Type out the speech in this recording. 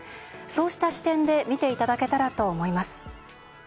そうした視点で見ていただけたらと思います。